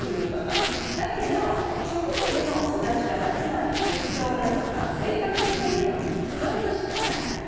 だけど植物の育ち方つまり特徴だとか性格っていうのは１つしかない。